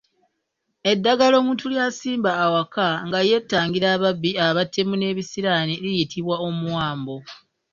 Eddagala omuntu ly’asimba awaka nga yeetangira ababbi, abatemu n’ebisiraani liyitibwa Omuwambo.